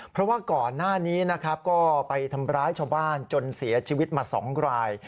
เพราะว่าก่อนหน้านี้นะครับก็ไปทำร้ายชาวบ้านจนเสียชีวิตมา๒ราย